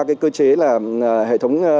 cái cơ chế là hệ thống